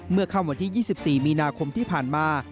ค่ำวันที่๒๔มีนาคมที่ผ่านมา